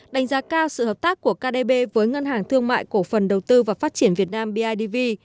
đánh giá cao sự hợp tác của kdb với ngân hàng thương mại cổ phần đầu tư và phát triển việt nam bidv